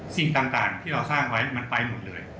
สิ่งต่างที่เราสร้างไว้มันไปหมดเลย